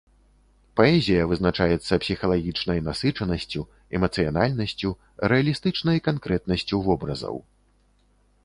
Паэзія вызначаецца псіхалагічнай насычанасцю, эмацыянальнасцю, рэалістычнай канкрэтнасцю вобразаў.